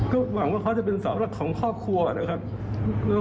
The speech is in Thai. ก็หวังว่าเขาจะเป็นเสาหลักของครอบครัวนะครับ